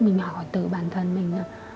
mình hỏi tự bản thân mình